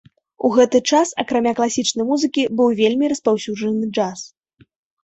У гэты час акрамя класічнай музыкі быў вельмі распаўсюджаны джаз.